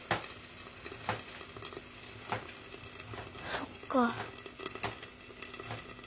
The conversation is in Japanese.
そっか。